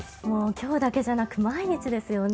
今日だけじゃなく毎日ですよね。